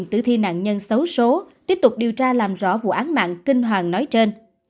đi nạn nhân xấu số tiếp tục điều tra làm rõ vụ án mạng kinh hoàng nói trên